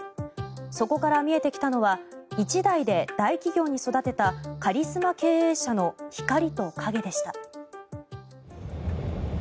そこから見えてきたのは１代で大企業に育てたカリスマ経営者の光と影でした。